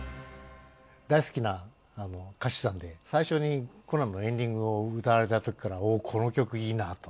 大好きな歌手さんで、最初にコナンのエンディングを歌われたときから、おお、この曲いいなと。